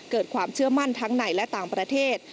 เกิดความเชื่อมั่นทั้งในและต่างประเทศ